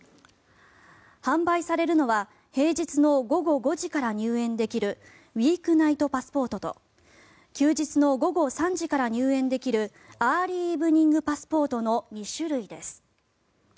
販売されるのは平日の午後５時から入園できるウィークナイトパスポートと休日の午後３時から入園できるアーリーイブニングパスポートの２種類です。